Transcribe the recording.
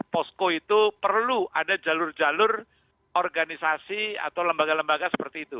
posko itu perlu ada jalur jalur organisasi atau lembaga lembaga seperti itu